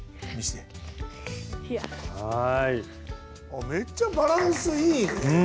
あっめっちゃバランスいいね。